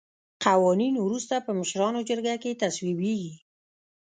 قوانین وروسته په مشرانو جرګه کې تصویبیږي.